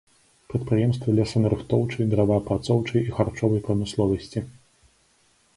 Прадпрыемствы лесанарыхтоўчай, дрэваапрацоўчай і харчовай прамысловасці.